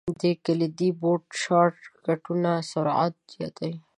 د کلیدي بورډ شارټ کټونه سرعت زیاتوي.